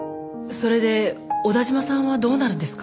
それで小田嶋さんはどうなるんですか？